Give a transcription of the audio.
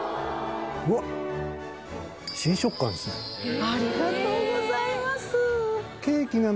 うわっありがとうございます